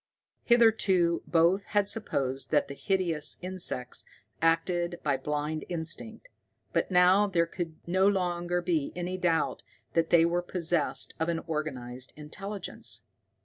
Hitherto both had supposed that the hideous insects acted by blind instinct, but now there could no longer be any doubt that they were possessed of an organized intelligence.